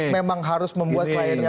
memang harus membuat kliennya